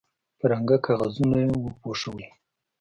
په رنګه کاغذونو یې وپوښوئ.